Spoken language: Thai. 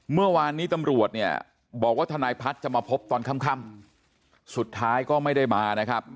เมื่อวานนี้ตำรวจเนี่ยบอกว่าทนายพัฒน์จะมาพบตอนค่ำสุดท้ายก็ไม่ได้มานะครับ